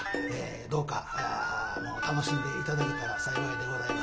どうか楽しんでいただけたら幸いでございます。